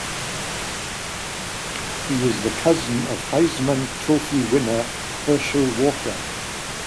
He is the cousin of Heisman Trophy winner Herschel Walker.